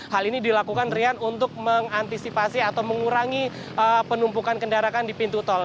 hal ini dilakukan rian untuk mengantisipasi atau mengurangi penumpukan kendaraan di pintu tol